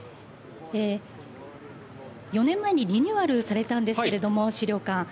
４年前にリニューアルされたんですけれども、資料館。